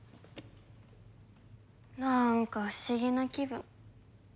なんか不思議な気分。